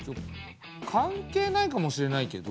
関係ないかもしれないけど。